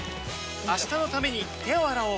明日のために手を洗おう